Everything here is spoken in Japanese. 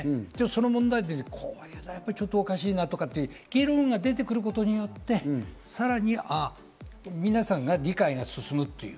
その問題点、ここちょっとおかしいなって言う議論が出てくることによって、さらに皆さんの理解が進む。